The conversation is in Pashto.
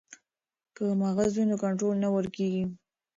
که مغز وي نو کنټرول نه ورکیږي.